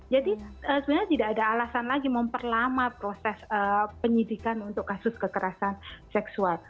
jadi sebenarnya tidak ada alasan lagi memperlama proses penyidikan untuk kasus kekerasan seksual